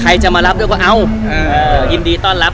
ใครจะมารับด้วยก็เอายินดีต้อนรับ